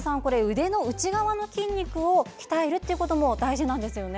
腕の内側の筋肉を鍛えるということも大事なんですよね。